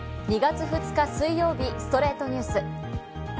２月２日、水曜日『ストレイトニュース』。